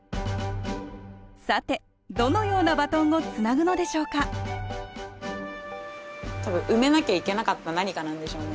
さてどのようなバトンをつなぐのでしょうか多分埋めなきゃいけなかった何かなんでしょうね。